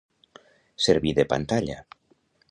Servir de pantalla.